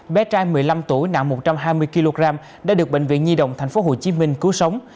bé trai một mươi năm tuổi nặng một trăm hai mươi kg đã được bệnh viện nhi đồng tp hcm cứu sống